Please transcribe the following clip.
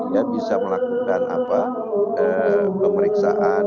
dia bisa melakukan pemeriksaan